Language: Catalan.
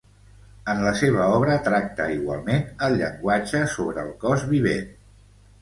En la seva obra tracta igualment el llenguatge sobre el cos vivent.